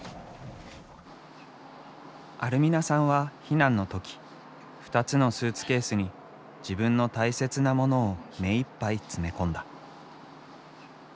アルミナさんは避難の時２つのスーツケースに自分の大切なモノを目いっぱい詰め込んだ。